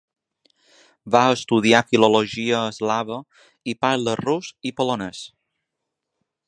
Va estudiar filologia eslava i parla rus i polonès.